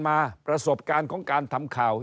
ประสบการณ์ของการทำข่าว